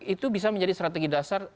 itu bisa menjadi strategi dasar